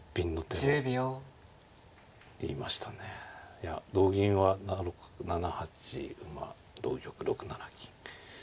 いや同銀は７八馬同玉６七金。